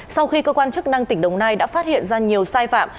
sau khi cơ quan chức năng tỉnh đồng nai đã phát hiện ra nhiều sai phạm